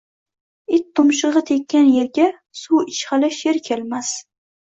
It tumshug‘i tekkan yerga suv ichg‘ali sher kelmas